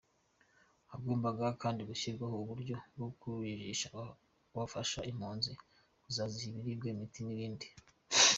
Hagombaga kandi gushyirwaho uburyo bwo kujijisha bafasha impunzi bakaziha ibiribwa imiti, n’ibindi.